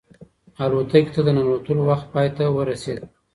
الوتکې ته د ننوتلو وخت پای ته ورسېد.